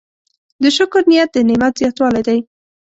د شکر نیت د نعمت زیاتوالی دی.